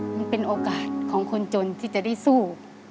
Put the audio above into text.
มันเป็นโอกาสของคนจนที่จะได้สู้